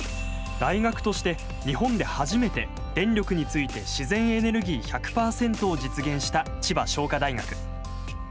大学として日本で初めて電力について自然エネルギー１００％を実現した千葉商科大学。